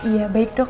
iya baik dok